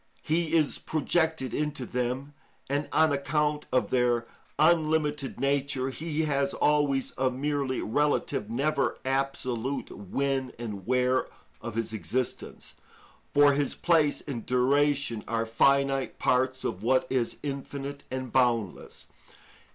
He is projected into them, and, on account of their unlimited nature, he has always a merely relative, never absolute when and where of his existence; for his place and duration are finite parts of what is infinite and boundless.